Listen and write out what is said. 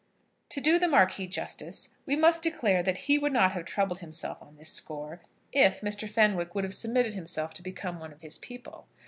To do the Marquis justice, we must declare that he would not have troubled himself on this score, if Mr. Fenwick would have submitted himself to become one of his people.